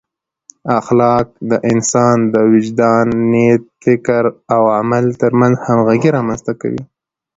اخلاق د انسان د وجدان، نیت، فکر او عمل ترمنځ همغږۍ رامنځته کوي.